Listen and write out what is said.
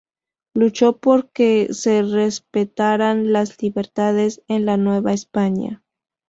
Luchó porque se respetaran las libertades en la Nueva España.